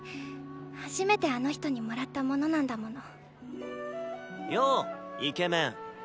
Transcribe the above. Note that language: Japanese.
初めてあの人にもらったものなんだもの。ようイケメン。